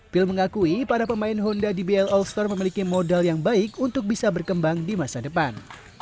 pil mengakui para pemain honda dbl all star memiliki modal yang baik untuk bisa berkembang di masa depan